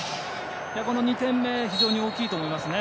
この２点目は非常に大きいと思います。